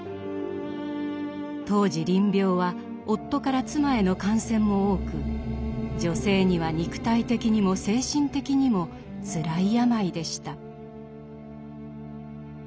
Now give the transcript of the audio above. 当時りん病は夫から妻への感染も多く女性には肉体的にも精神的にもつらい病でした。